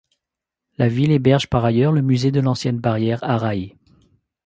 La ville héberge par ailleurs le musée de l'ancienne barrière Arai.